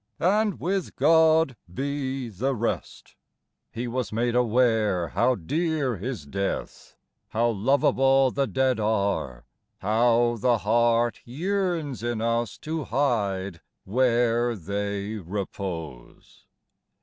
And with God be the rest." bs IRobert IBrownfng. 15 He was made aware how dear is death, How lova'ble the dead are, how the heart Yearns in us to hide where they repose."